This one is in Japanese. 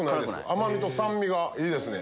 甘みと酸味がいいですね。